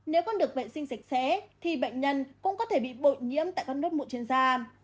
nếu con được vệ sinh sạch sẽ thì bệnh nhân cũng có thể bị bội nhiễm tại các nước mụn trên da